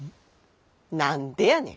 何でやねん！